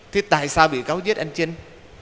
thế tại sao bị cáo giết anh trinh